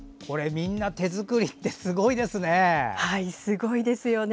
みんな手作りってすごいですね。